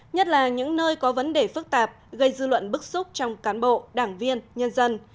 nhất là những nơi có vấn đề phức tạp gây dư luận bức xúc trong cán bộ đảng viên nhân dân